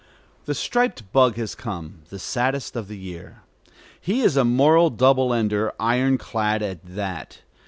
The striped bug has come, the saddest of the year. He is a moral double ender, iron clad at that.